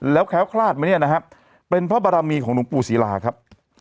แล้วแค้วคลาดไหมเนี่ยนะครับเป็นเพราะบารมีของหลวงปู่ศิลาครับ